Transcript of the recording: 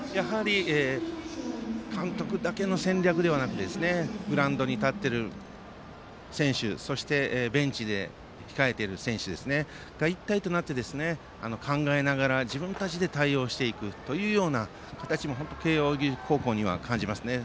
監督だけの戦略ではなくてグラウンドに立っている選手そしてベンチで控えている選手が一体となって考えながら自分たちで対応していくという形も本当に慶応義塾高校には感じますよね。